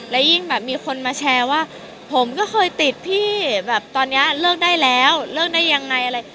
และยิ่งแบบมีคนมาแชร์ว่าผมก็เคยติดพี่แบบตอนนี้เลิกได้แล้วเลิกได้ยังไงอะไร